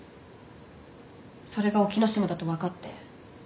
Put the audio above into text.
それが沖野島だと分かって。